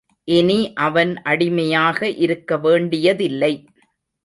இனி அவன் அடிமையாக இருக்க வேண்டியதில்லை.